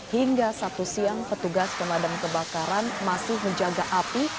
hingga satu siang petugas kemadam kebakaran masih menjaga api